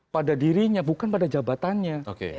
pada dirinya bukan pada jabatannya